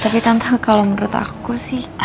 tapi tantangan kalau menurut aku sih